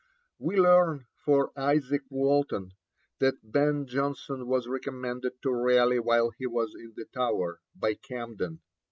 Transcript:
We learn from Izaak Walton that Ben Jonson was recommended to Raleigh while he was in the Tower, by Camden.